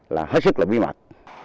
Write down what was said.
là hết sức là bí mật